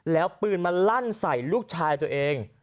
แล้วปืนมันลั่นใส่ลูกชายตัวเอง